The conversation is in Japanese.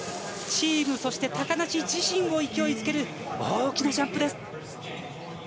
チーム、そして高梨自身を勢いづける大きなジャンプです。